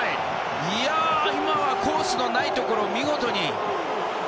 いやあ、今はコースのないところを見事に！